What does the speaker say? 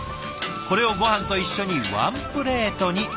これをごはんと一緒にワンプレートに。